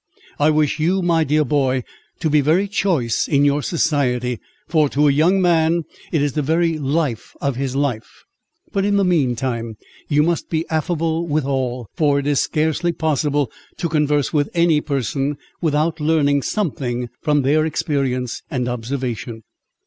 I wish you, my dear boy, to be very choice in your society, for to a young man, it is the very life of his life; but in the mean time, you must be affable with all, for it is scarcely possible to converse with any person, without learning something from their experience and observation."